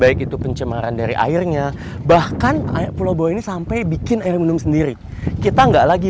baik itu pencemaran dari airnya bahkan air pulau bawa ini sampai bikin air minum sendiri kita enggak lagi